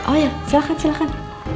oh iya silahkan silahkan